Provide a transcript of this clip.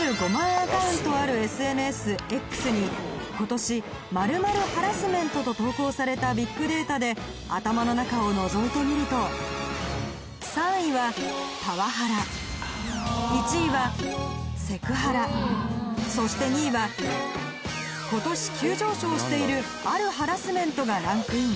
アカウントあるＳＮＳＸに今年「○○ハラスメント」と投稿されたビッグデータで頭の中をのぞいてみるとそして２位は今年急上昇しているあるハラスメントがランクイン